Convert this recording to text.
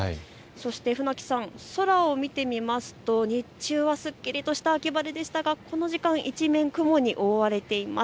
船木さん、空を見てみますと日中はすっきりとした秋晴れでしたが、この時間、一面、雲に覆われています。